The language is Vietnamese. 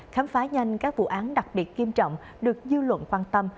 khám phá nhanh các vụ án đặc biệt nghiêm trọng được dư luận quan tâm